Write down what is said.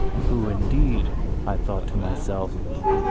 "Who, indeed," I thought to myself.